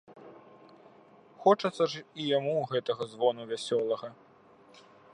Хочацца ж і яму гэтага звону вясёлага.